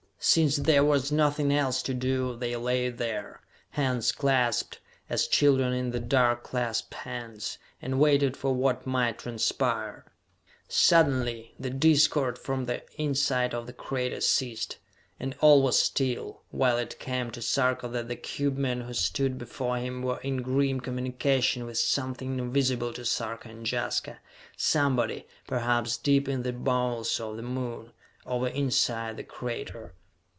Since there was nothing else to do, they lay there, hands clasped, as children in the dark clasp hands, and waited for what might transpire. Suddenly the discord from the inside of the crater ceased, and all was still, while it came to Sarka that the cube men who stood before him were in grim communication with something invisible to Sarka and Jaska, somebody, perhaps, deep in the bowels of the Moon, over inside the crater.